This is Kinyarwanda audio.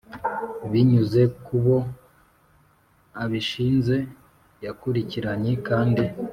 Binyuze kubo abishinze yakurikiranye kandi